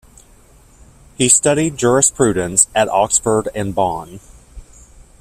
He studied jurisprudence at Oxford and Bonn.